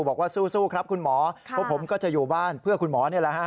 บอกว่าสู้ครับคุณหมอพวกผมก็จะอยู่บ้านเพื่อคุณหมอนี่แหละฮะ